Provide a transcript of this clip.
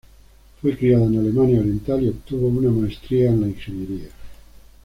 Fue criada en Alemania Oriental y obtuvo una maestría en la Ingeniería.